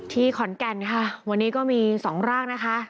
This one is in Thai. ขอนแก่นค่ะวันนี้ก็มี๒ร่างนะคะ